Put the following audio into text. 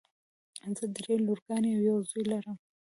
زه دری لورګانې او یو زوی لرم.